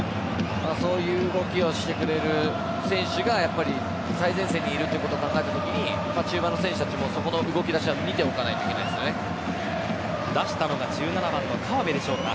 そういう動きをしてくれる選手が最前線にいるということを考えたとき中盤の選手たちもそこの動き出しは出したのが１７番の川辺でしょうか。